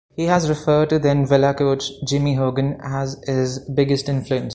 He has referred to then Villa coach Jimmy Hogan as his biggest influence.